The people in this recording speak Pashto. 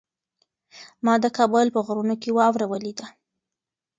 ما د کابل په غرونو کې واوره ولیده.